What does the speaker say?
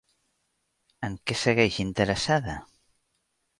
En què segueix interessada?